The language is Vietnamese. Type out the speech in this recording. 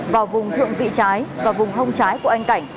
vào vùng thượng vị trái và vùng hông trái của anh cảnh